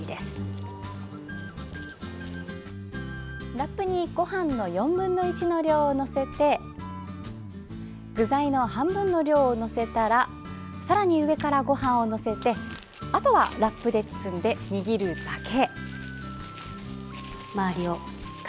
ラップにごはんの４分の１の量を載せて具材の半分の量を載せたらさらに上からごはんを載せてあとはラップで包んで握るだけ。